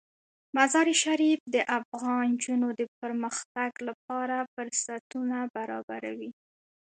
مزارشریف د افغان نجونو د پرمختګ لپاره فرصتونه برابروي.